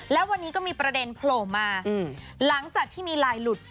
แล้ววันนี้ก็มีประเด็นโผล่มาหลังจากที่มีลายหลุด